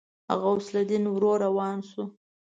غوث الدين ورو روان شو.